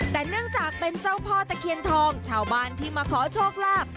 แต่เนื่องจากเป็นเจ้าพ่อตะเคียนทองชาวบ้านที่มาขอโชคลาภ